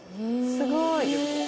すごい。